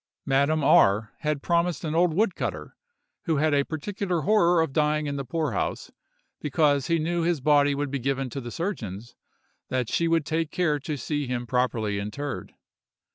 Madame R—— had promised an old wood cutter—who had a particular horror of dying in the poor house, because he knew his body would be given to the surgeons—that she would take care to see him properly interred.